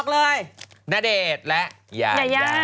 กระสินทร์ใช่ไหมคะ